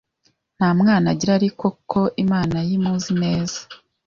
Nta mwana agira ariko ko Imana ye imuzi neza